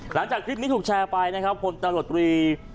หลังจากคลิปนี้ถูกแชร์ไปนะครับผลตำรวจตรี